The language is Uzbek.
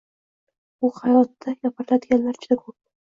Bu hayotda gapiradiganlar juda ko’p